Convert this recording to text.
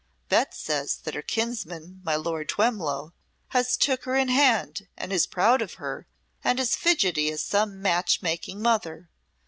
Bet says that her kinsman, my Lord Twemlow, has took her in hand and is as proud of her and as fidgety as some match making mother.